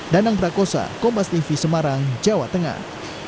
danang prakosa kompas tv semarang jawa tengah